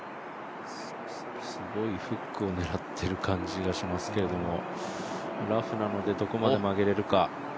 すごいフックを狙ってる感じがしますけれどもラフなのでどこまで曲げれるか。